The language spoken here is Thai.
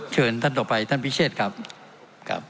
เชิญท่านต่อไปท่านพิเชษครับครับ